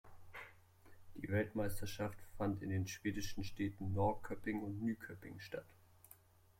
Die Weltmeisterschaft fand in den schwedischen Städten Norrköping und Nyköping statt.